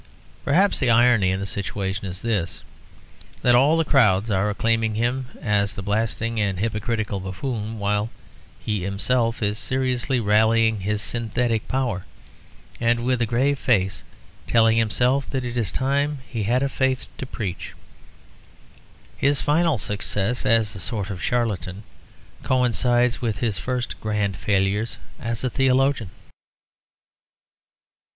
Perhaps the irony in the situation is this: that all the crowds are acclaiming him as the blasting and hypercritical buffoon, while he himself is seriously rallying his synthetic power, and with a grave face telling himself that it is time he had a faith to preach. His final success as a sort of charlatan coincides with his first grand failures as a theologian.